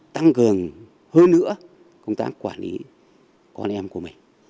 tăng cường hơn nữa công tác quản lý con em của mình